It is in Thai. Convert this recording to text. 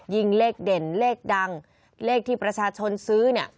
ยิ่งเลขเด่นเลขดังเลขที่ประชาชนซื้อ